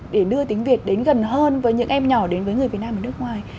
để đưa tiếng việt đến gần hơn với những em nhỏ đến với người việt nam ở nước ngoài